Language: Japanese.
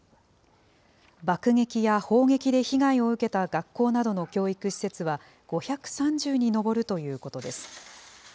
爆撃や砲撃で被害を受けた学校などの教育施設は５３０に上るということです。